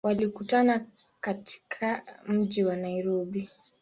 Walikutana katika mji wa Nairobi.